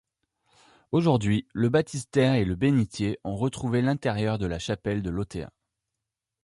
Aujourd'hui, le baptistère et le bénitier ont retrouvé l'intérieur de la chapelle de Lothéa.